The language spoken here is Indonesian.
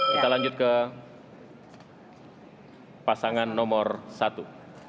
kita lanjut ke pasangan nomor satu